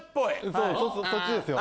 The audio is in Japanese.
そうそっちですよ。